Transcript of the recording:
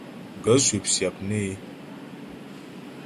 Gaə̂ swɔp syap nê é.